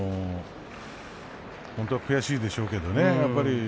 本当は悔しいでしょうけどね。